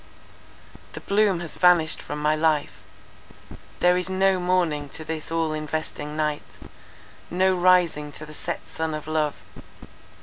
'The bloom has vanished from my life'—there is no morning to this all investing night; no rising to the set sun of love.